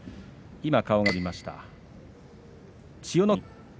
今、顔が映りました千代の国です。